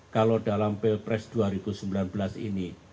kalau dalam pilpres dua ribu sembilan belas ini